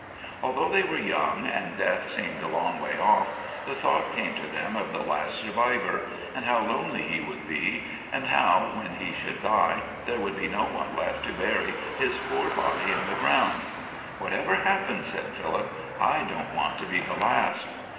Although they were young, and death seemed a long way off, the thought came to them of the last survivor, and how lonely he would be, and how, when he should die, there would be no one left to bury his poor body in the ground. "Whatever happens," said Philip, "I don't want to be the last."